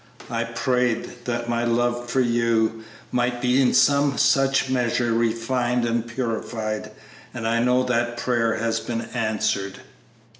I prayed that my love for you might be in some such measure refined and purified, and I know that prayer has been answered.